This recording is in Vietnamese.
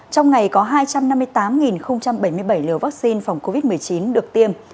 trong ngày có hai trăm năm mươi tám bảy mươi bảy liều vaccine phòng covid một mươi chín được tiêm